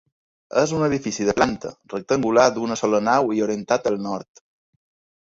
És un edifici de planta rectangular d'una sola nau i orientat al nord.